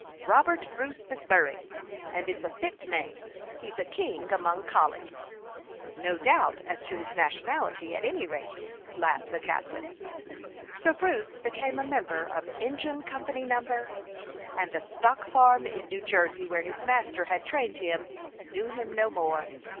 "Robert Bruce MacMurray, and it 's a fit name. He 's a king among collies." "No doubt as to his nationality, at any rate," laughed the captain. So Bruce became a member of Engine Company No —, and the stock farm in New Jersey where his master had trained him knew him no more.